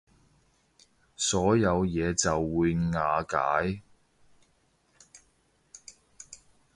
所有嘢就會瓦解